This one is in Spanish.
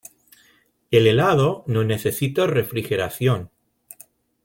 El helado no necesita refrigeración.